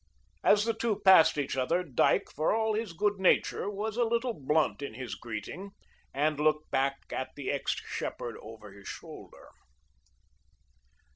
As the two passed each other, Dyke, for all his good nature, was a little blunt in his greeting and looked back at the ex shepherd over his shoulder.